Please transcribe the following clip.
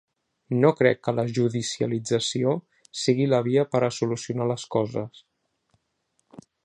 No crec que la judicialització sigui la via per a solucionar les coses.